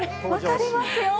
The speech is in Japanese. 分かりますよ。